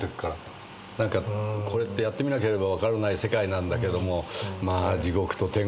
これってやってみなければ分からない世界なんだけども。